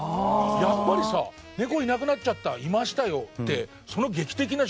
やっぱりさ「猫いなくなっちゃった」「いましたよ」ってその劇的な瞬間さ